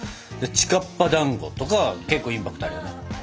「ちかっぱだんご」とかはけっこうインパクトあるよね。